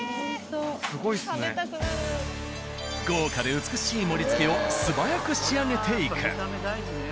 豪華で美しい盛りつけを素早く仕上げていく。